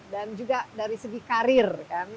dan juga dari segi karir kan